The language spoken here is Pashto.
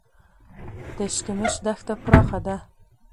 د اشکمش دښته پراخه ده